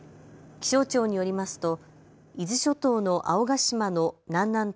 気象庁によりますと伊豆諸島の青ヶ島の南南東